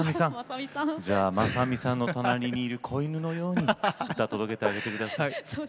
じゃあまさみさんの隣にいる子犬のように歌を届けてあげてください。